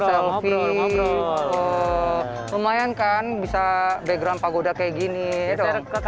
kok jadi gambarnya toilet